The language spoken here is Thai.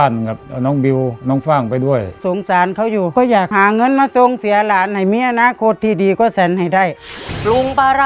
สวัสดีครับ